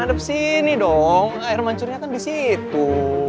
adep sini dong air mancurnya kan disitu